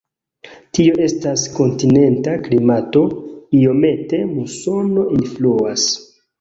Tio estas kontinenta klimato, iomete musono influas.